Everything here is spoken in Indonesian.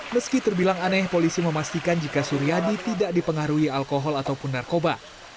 meski terbilang aneh polisi memastikan jika suryadi tidak dipengaruhi alkohol ataupun narkoba